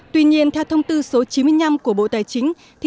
tuy nhiên theo thông tư số chín mươi năm của bộ tài chính